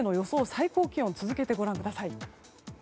最高気温を続けてご覧ください。